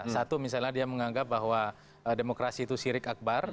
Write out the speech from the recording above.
satu misalnya dia menganggap bahwa demokrasi itu sirik akbar